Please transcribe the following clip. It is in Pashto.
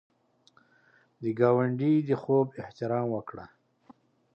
د ګاونډي د خوب احترام وکړه